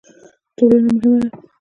ټولنه مهمه ده.